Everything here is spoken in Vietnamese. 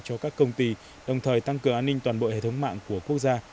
cho các công ty đồng thời tăng cường an ninh toàn bộ hệ thống mạng của quốc gia